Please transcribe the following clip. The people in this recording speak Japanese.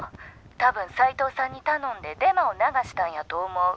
多分斎藤さんに頼んでデマを流したんやと思う」。